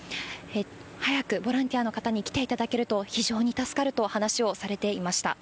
早くボランティアの方に来ていただけると非常に助かると話をされていました。